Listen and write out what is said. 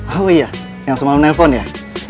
oh iya yang semalam nelfon ya